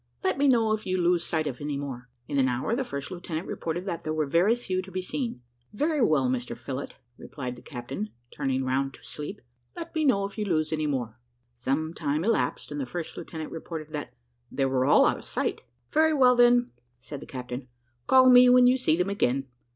Let me know if you lose sight of any more." In another hour, the first lieutenant reported that "there were very few to be seen." "Very well, Mr Phillott," replied the captain, turning round to sleep; "let me know if you lose any more." Some time elapsed, and the first lieutenant reported that "they were all out of sight." "Very well, then," said the captain; "call me when you see them again."